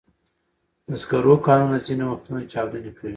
د سکرو کانونه ځینې وختونه چاودنې کوي.